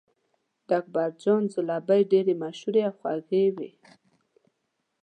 د اکبرجان ځلوبۍ ډېرې مشهورې او خوږې وې.